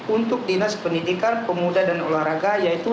untuk dinas pendidikan pemuda dan olahraga yaitu